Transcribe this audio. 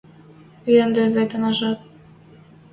Ӹнде вет Анажат